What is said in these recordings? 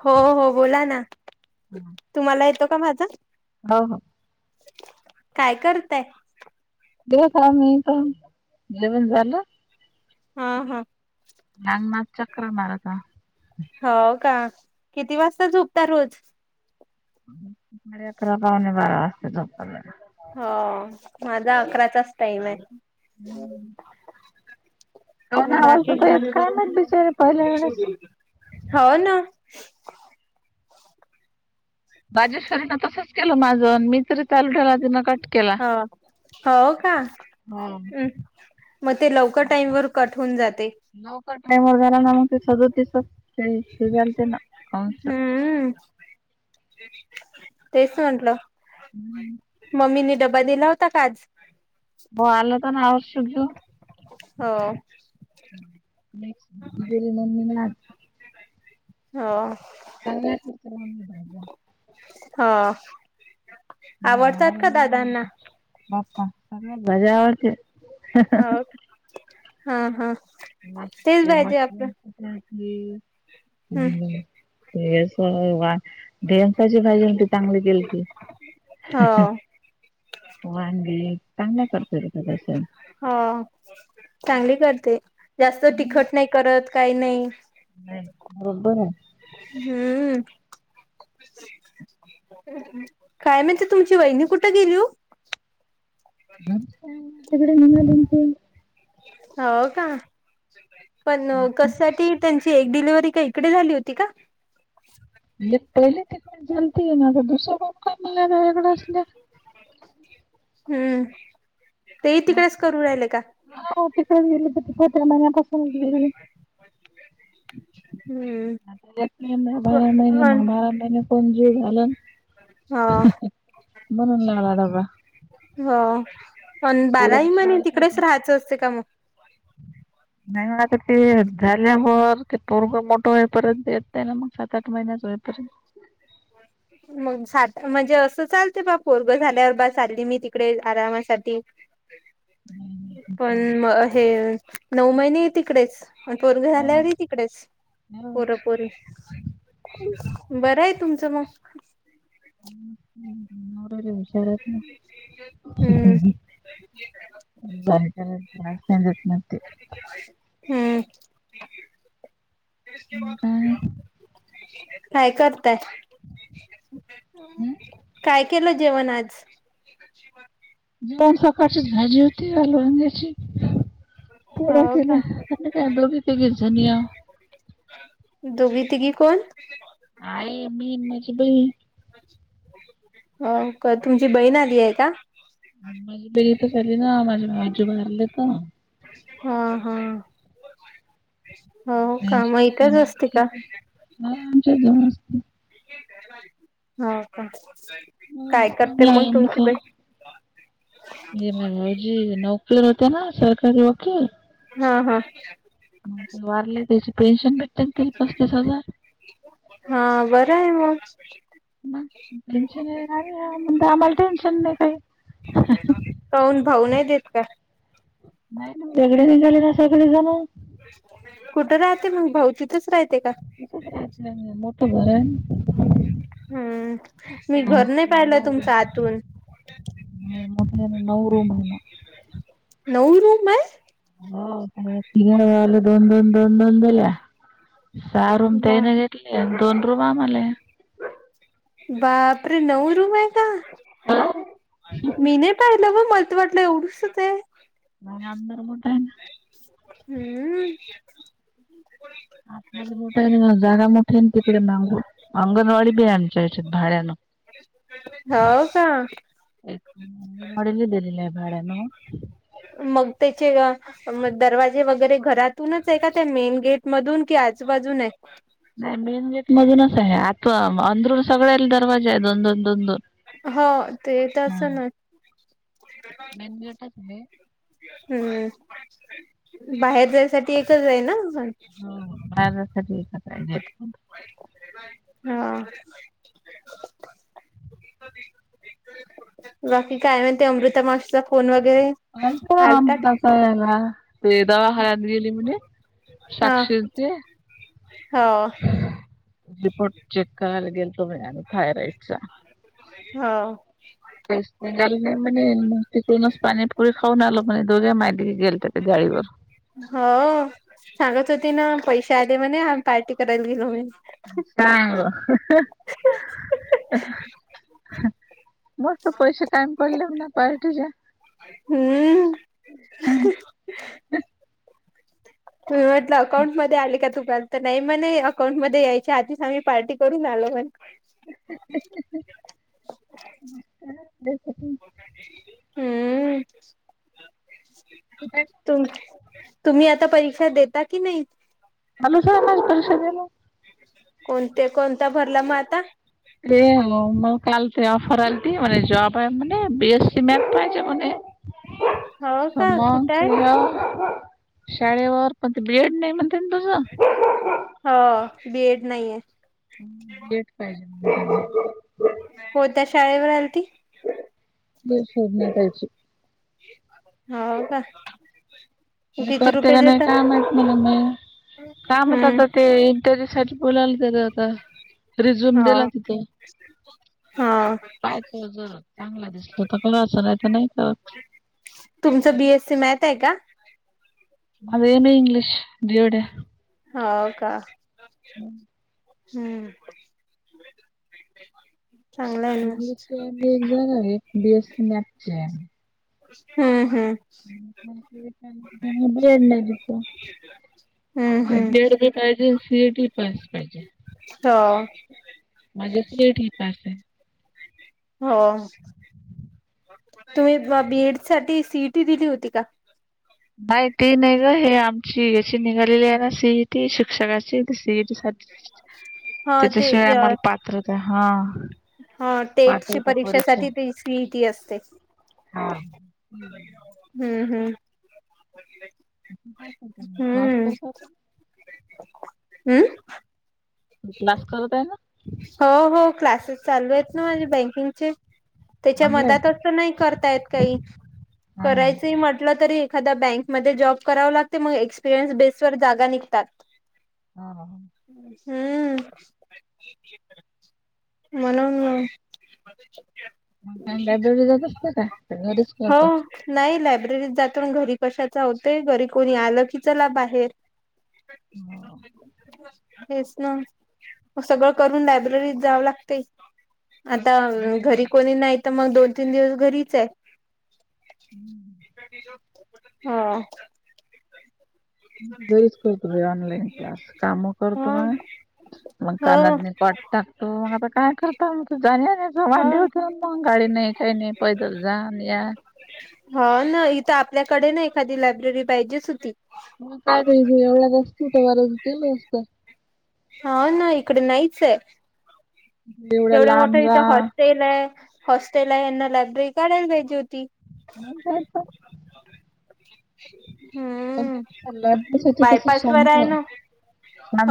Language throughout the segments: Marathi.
हो, हो. बोला ना. तुम्हाला येतो का माझा? हो, हो. [inaudible] काय करताय? [unintelligible] मी पण, जेवण झाल? हा, हा. अंगणात चकरा मारता. हो, का? किती वाजता झोपता रोज? साडे अकरा - पावणे बारा वाजता झोपता दररोज. हो. माझा अकराचाच टाईमय. [inaudible] काऊन आवाज बाकी नव्हता येत का, काय माहित बिचारे पहिल्या वेळेस. [inaudible] हो ना [unintelligible] सरन तसच केल माझ न. मी तर ह. हो, का? हो हम्म. मग ते लवकर टाईम वर कट होऊन जातय. लवकर टाईमावर झाला ना, मग ते तसंच हे झालत ना [unintelligible] हम्म तेच म्हंटलं. हम्म. मम्मीनी डबा दिला होता का, आज? हो आला होता ना, औषध घेऊन? हो. [unintelligible] दिली मम्मी न आज. हो. [unintelligible] हा. आवडतात का, दादांना? [unintelligible] भाजी आवडती. ह. हो, का. ह, ह. [unintelligible] [unintelligible] हम्म ढेमसाची भाजी मोठी चांगली केलती. हो [unintelligible] वांगे. चांगला करता त्या तशा हो. चांगली करते. जास्त तिखट नायी करत. कायी नायी. नाही. बरोबर [unintelligible] हम्म. काय म्हणते, तुमची वहिनी कुठं गेली ओ? [unintelligible] आमच्याकडं मांगालीन ते. हो, का? पण कसं ती त्यांची एक डिलिव्हरी काय इकडे, झाली होती का? म्हणजे पहिले तिकड झालती. ये ना तर दुसरं प [unintelligible] का मलाला वेगडं असल्या. हम्म. तेही तिकडेच करू राहिल का? हा तिकडेच गेले [unintelligible] महि्यापासून [unintelligible] ग. हम्म. आता येत नाही. बारा महिने अन मग, बारा महिने कोण जीऊ घालन. हा. म्हणून लावला डबा. हो. पण पोरीला बाराही महिने शाळेत तिकडेच राहायचं, असते का? मग. नाही मग आता ते. झाल्या वर, ते पोरग मोठं होईपर्यंत येत नाही ना, मग. सात- आठ महिन्याच होईपर्यंत. मग सा म्हणजे असं चालते, बा. पोरग झाल्यावर बा चालली मी तिकडे, आरामासाठी. नाही पण म हे. नऊ महिने ही तिकडेच. मग पोरग झाल्यावर ही तिकडेच. नाही पोर - पोरी. बरंय, तुमचं मग. नवरे लई हुषार हम्म हाईतना [unintelligible] म्हणते हम्म मग काय काय करताय काय केलं जेवण आज मग सकाळचीच भाजी होती वांग्याची पोळ्या हो केल्या का आता काय दोघ तिघी जणीच आहोत दोघी तिघी कोण आई मी माझी बहीण अ का तुमची बहीण आली आहे का माझी बहीण इथंच आली ना माघे भाऊजी वारले तर हा हा हो का मग टेन्शन इथेच असते आहे. का हा आमच्या जवळ असते हो का काय करते चांगला मग आहे तुमची बहीण माघे भाऊजी नोकरीवर होते ना सरकारी वकील हा हा वारले त्याची पेन्शन भेटते तिले पस्तीस हजार हा बरं आहे मग मग पेन्शन येणार आहे म्हण आम्हाला टेन्शन नाही काही काऊन भाऊ नाही देत का नाही न वगळे निघाले ना सगळे जण कुठं राहते मग भाऊ तिथच राहते का? [unintelligible] मोठ भरन. हम्म, मी घर नाही पाहिलं तुमच रूम आतून. नाही मोठ्या नऊ रूम आहे ना. नऊ रूम आहे हो तघ वाल दोंदो दोंदों दिल्या सारुम बा त्यान गे दोन रूम आम्हाले बापरे नऊ रूम आहे का मी नाही पाहित न ब मलत वाटलं एवढंऊसच हे नाही अंदर मोठ आहे ना हम्म. आतमध्ये मोठा आहे जागा मोठे आहे नं तिकडे लाव जा. अंगणवाडी बी हाय आमच्या हेचेत भाड्यात. हाव का? एक [unintelligible] दिलेलं भाड्यान. मग त्याचे मग दरवाजे वगैरे घरातूनच आहे का त्या मेन गेट मधून कि आजूबाजून हाय. नाही मेन गेट मधूनच आहे आतू अंधरून सगळ्याला दरवाजा आहे दोन दोन दोन दोन. हा ते हा तसं न. मेन गेटचय. हम्म, बाहेर जायसाठी एकच आहे ना. हो बाहेर जाण्यासाठी एकच आहे गेट. हा. बाकी काय [unintelligible] ते अमृता माशीचा फोन वगैरे. आलता [unintelligible] ते दवाखान्यात गेली म्हने. हा साक्षीअन ते. हो रिपोर्ट चेक करायला गेल तो आणि थायरॉइडच. हा. म मस्तिकूनस पनीिप पुरी खाऊ ना आल म दोर्ग मयला गेल त्या ते गाळीवर हा, सांगत होते ना. पैसे आले म्हणे पार्टी करायला गेलो मने. नाही बुवा. मस्त पैसे कायम पडले ना. पाहिजे ना. हम्म. तुम्ही म्हटलं अकाउंट मध्ये आले का तुम्हा तर नाही मने अकाउंट मध्ये यायच्या आधीच आम्ही पार्टी करून आलो मने. [unintelligible] हम्म. [unintelligible] तु, तुम्ही आता परीक्षा देता की नाही? आणि कशाला परीक्षा द्यायला. कोणते कोणता भरला मगं आता. ते म काल ते अऑफर आलती म जॉब आहे म बीएस सीमेट पायच म हो हा का मग कुठे आहे? शाळेवर शाळेवर पण ते बीएड नाही म्हणते ना तुझ. हा बीएड नाही आहे. बीएड पाहिजे. कोणत्या शाळेवर आलती? ते शोधल पाहिजे. हा का. किती करते रुपये का नाही देतात? काय माहत नाहीला म काम हम्म आता ते त्याच्यासाठी बोलावला दिलं होतं, रिझ्यूम हो दिला तिथं. हा पाहतो जर चांगला दिसलो तर, तुमचं बीएससी मॅथ आहे का? माझं ए ना इंग्लिश, बीएड आहे. हा का. हम्म. चांगलं आहे ना इंग्लिश च जाणार आहे. बी एस सी मॅथ्स आहे. हम्म हम्म. बेड नाही दिसत. हम्म हम्म बीएड बी पाहिजे, सीएटी पाहिजे. हा. माझ्या सी इ टी पास आहे. हो, तुम्ही बीएड साठी सीइटी दिली होती का? माहिती नाय ग. हे आमची याची निघालेली आहे ना. सीईटी, शिक्षकाची तर सीईट हा ते त्याच्याशिवाय आम्हाला पात्रता हा. हा टेटची पात्रता परीक्षा परीक्षासाठी ते सीईटी असते. हा. हम्म हम्म, क्लास हम्म करत हम्म क्लास करत आहे का? हो हो क्लासेस चालू आहेत ना. माझे बँकिंगचे, त्याच्या आणलंय. मध्ये नाही करता येत काही. आहे. करायचंही म्हटलं, तरी एखाद्या बँकमध्ये जॉब करावं लागते. मग एक्सपिरियन्स बेसवर जागा निघतात. हा. हम्. [inaudible] म्हणून मग, लायब्ररी जात असतं का? का घरीच हो करता? नाही लायब्ररीत जातो. घरी कशाचा होते. घरी कोणी आलं की चला बाहेर. हो. हेच. मग, सगळं करून लायब्ररीत जावं लागते. आता मग काय? घरी कोणी नाही तर मग दोन तीन दिवस घरीचाय. हा. घरीच करतो बई ऑनलाईन क्लास. काम ह करतो ना, मग हो कानात ने [unintelligible] टाकतो. मग आता काय करता जाण्या येण्याचा म्हणले ह होते ना मग, गाडी नाही काही नाही पैदल जा अन् या. हा ना, इथं आपल्याकडे ना एखादी लायब्ररी पाहिजेच होती. मग काय बई एवढा [unintelligible] बर केलं असत. हा ना, इकडे नाहीचाय. एवढ्या एवढं लांब मोठं जा. इथं हॉस्टेल ए. हॉस्टेल आहे यांना लायब्ररी काढायला पाहिजे होती. मग काय तर. पण हम्म सल्ला [unintelligible] कसं बायपास वर शांत. आहे ना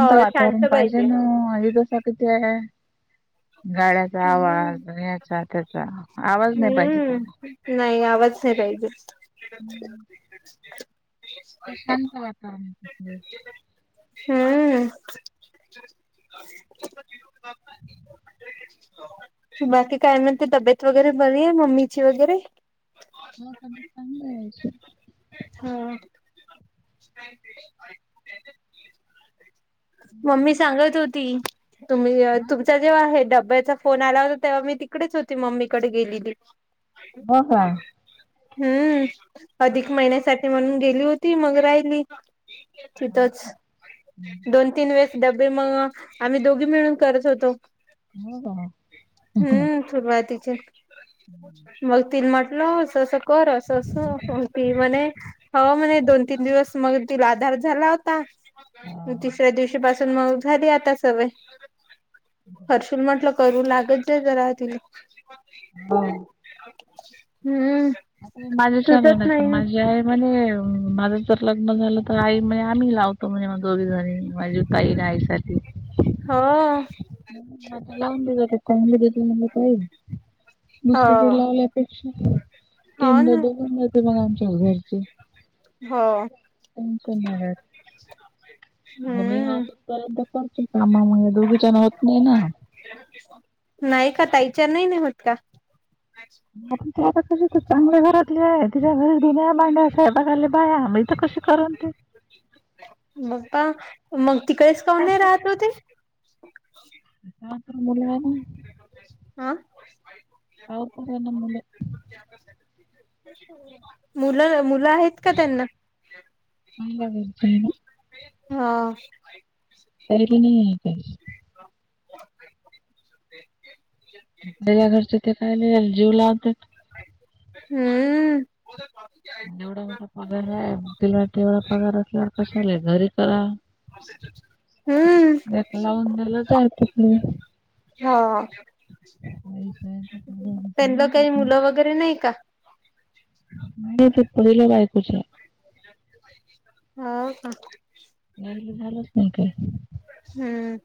हो वातावरण शांत पाहिजे ना, आहे जस तिथे. गाड्याचा हम्म आवाज, ह्याचा त्याचा, आवाज नाही पाहिजे त्याला. हम्म नाही, आवाज नाही पाहिजे. ते शांत वातावरण पाहिजे. हम्म. [inaudible] बाकी काय म्हणते, तब्येत वगैरे बरी ए मम्मीची वगैरे? मग कधी चांगले होशील? हा [inaudible] मम्मी सांगत होती तुम्ही हा तुमचा जेव्हा हे डब्याचा फोन आला होता, तेव्हा मी तिकडेच होती मम्मीकडे गेलेली. [inaudible] हो का? हम्म, अधिक महिन्यासाठी म्हणून गेली होती मग राहिली. तिथंच. दोन दोन तीन वेळेस डब्बे मग, आम्ही दोघी मिळून करत होतो. हो का? हम्म सुरवातीचे. मग ती म्हटलं अससं कर, असस ती म्हणे, हाव म्हणे दोन तीन दिवस मग तिला आधार झाला होता. मग तिसऱ्या दिवशी पासून मग झाली आता सवय. हर्षल म्हटल करू लागत जा जरा तिला. हम्म. सुचत माझ्या [unintelligible] नाही. माझी आई म्हणे, माझं जर लग्न झालं तर आई म्हणे आम्ही लावतो म्हणे दोघी जणी. माझी ताई आणि आई साठी. हा. आता लावून दि चांगली द म काही, हो दुसरकडे लावले पेक्षा. हो तीन ना दोन होे मग आमच्या घरचे. हो [unintelligible] मी हम्म हाफीस पर्यंत करच कामामुळे दोघी जण होत नाही ना. नाही का, ताईच्यान नाही होत का? मग त्या आता तरी चांगल्या घरातली आहे. तिच्या घरी धुण्या, भांड्या, स्वयंपाकाला बाया, मग इथ कशी करण ते. बप्पा, मग तिकडेच कौन नाही अशे राहत ओ ते? [unintelligible] मुलं आहे ना. आ? अर कु नम मुलं [inaudible] मुलं, मुलं आहेत का त्यांना? [unintelligible] आहे ना? हा ती नाही आहे काही आपल्या घरचें ते काय एल जीव लावतात हम्म म्हेड गोट पगार आहे आहे म तटड पगार अस कस झाले घरी करा अशच हम्म त्या ला न द्यालाचय तरी हा च त्यांना काही मुलं वगैरे नाही का नाही ते पढल बायकूच्या होा का नाही झालंच नाही का हम्म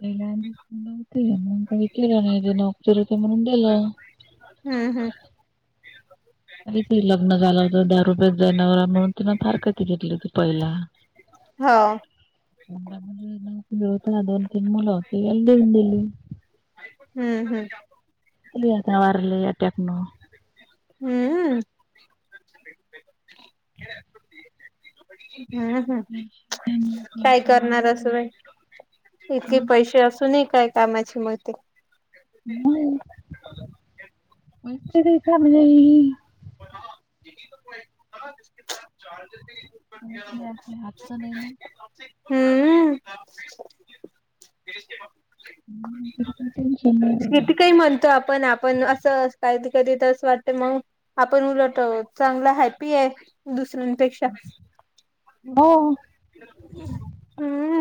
पल्या आधीचडव होते मग काही केलं नाहीे नकचर होते म्हणून दिेलं हम् हम्म का त लग्न झालं होत दहा रुपयेच जाण्या म्हणून तिनं फार कती घेतली होती पहिला हो [unintelligible] [unintelligible] हम्म -हम्म खाली आता वारले अटॅकन हम्म हम्म हम् काय करणार असं बाई इतले पैसे असून काय कामाची मते नाहीकडे समजई [unintelligible] हातच नाही ना [unintelligible] हम्म हम्म [unintelligible] किती काही म्हणतो आपण आपण असं कधी- कधी तस वाटत मग आपण उलट अ चांगल हॅप्पी आहे दुसऱ्यां अपेक्षा हो. [unintelligible] हम्म